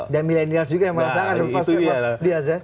dan millenials juga yang merasakan pak dias ya